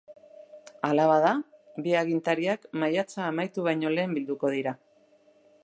Hala bada, bi agintariak maiatza amaitu baino lehen bilduko dira.